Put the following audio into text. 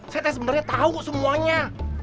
saya tadi sebenarnya tahu kok semuanya